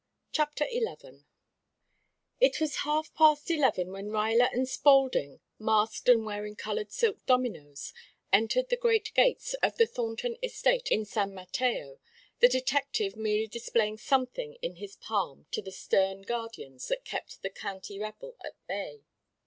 CHAPTER XI It was half past eleven when Ruyler and Spaulding, masked and wearing colored silk dominoes, entered the great gates of the Thornton estate in San Mateo, the detective merely displaying something in his palm to the stern guardians that kept the county rabble at bay.